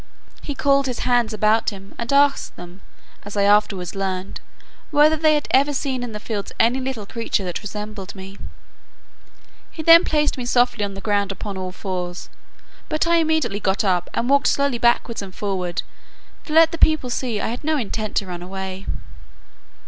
He called his hinds about him, and asked them, as I afterwards learned, whether they had ever seen in the fields any little creature that resembled me. He then placed me softly on the ground upon all fours, but I got immediately up, and walked slowly backward and forward, to let those people see I had no intent to run away.